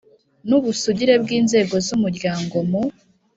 n ubusugire by inzego z Umuryango Mu